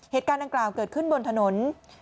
เหตุการณ์ดังกล่าวเกิดขึ้นบนถนน